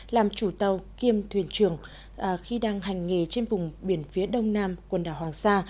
làm chủ tàu kiêm thuyền trường khi đang hành nghề trên vùng biển phía đông nam quần đảo hoàng sa